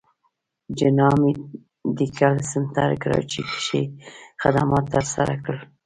جناح ميډيکل سنټر کراچې کښې خدمات تر سره کړل